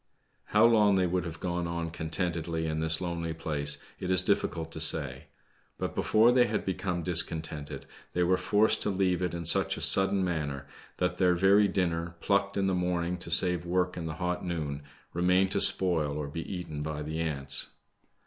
liow long they would have gone on contentedly in this lonely place, it is difficult to say. But before they had become discontented they were forced to leave it in su^ a sudden manner that their very dinner,^ plucked in the morning to save work in the hot noon, remained to spoil or be eaten by the ants.